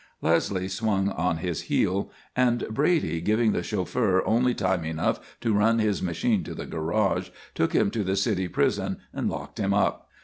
Leslie swung on his heel, and Brady, giving the chauffeur only time enough to run his machine to the garage, took him to the city prison and locked him up.